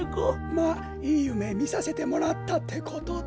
まあいいゆめみさせてもらったってことだ。